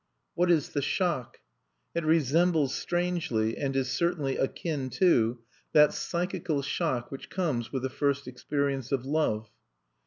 What is the shock? It resembles strangely, and is certainly akin to, that psychical shock which comes with the first experience of love.